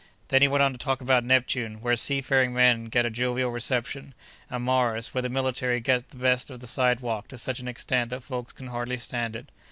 Then he went on to talk about Neptune, where seafaring men get a jovial reception, and Mars, where the military get the best of the sidewalk to such an extent that folks can hardly stand it.